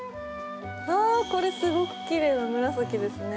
これ、すごく奇麗な紫ですね。